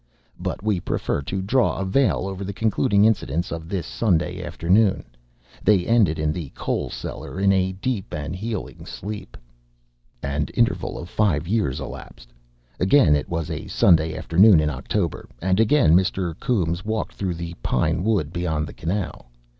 But we prefer to draw a veil over the concluding incidents of this Sunday afternoon. They ended in the coal cellar, in a deep and healing sleep. An interval of five years elapsed. Again it was a Sunday afternoon in October, and again Mr. Coombes walked through the pine wood beyond the canal.